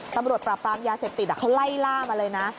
ตำรวจปราบปรามยาเสพติดเขาไล่ล่ามาเลยนะ